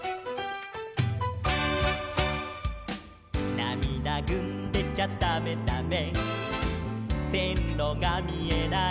「なみだぐんでちゃだめだめ」「せんろがみえない」